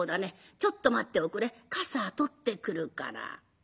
ちょっと待っておくれ傘取ってくるから」。